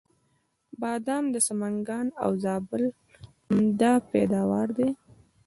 بادام د سمنګان او زابل عمده پیداوار دی.